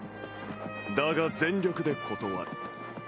だが全力で断る。